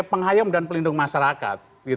penghayam dan pelindung masyarakat